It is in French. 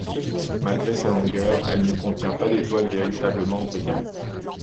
Malgré sa longueur, elle ne contient pas d'étoile véritablement brillante.